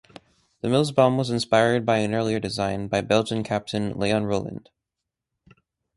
The Mills bomb was inspired by an earlier design by Belgian captain Leon Roland.